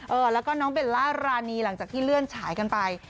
เออแล้วก็น้องเบลล่ารานีหลังจากที่เลื่อนฉายกันไป